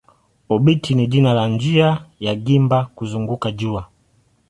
Obiti ni jina la njia ya gimba kuzunguka jua.